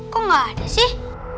kok gak ada sih